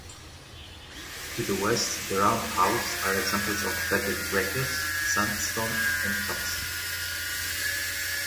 To the west the Round Hows are examples of bedded breccias sandstone and tuffs.